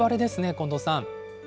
近藤さん。